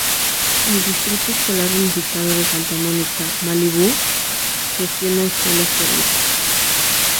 El Distrito Escolar Unificado de Santa Mónica-Malibú gestiona escuelas públicas.